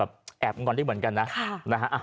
แบบแอบงอนที่เหมือนกันซิลครับ